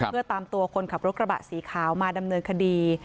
เพื่อตามตัวคนขับรถกระบะสีขาวมาดำเนินคดี